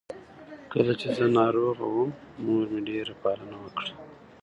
کله چې زه ناروغه وم، مور مې ډېره پالنه وکړه.